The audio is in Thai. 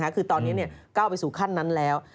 คือตอนนี้ก้าวไปสู่ขั้นนั้นแล้ว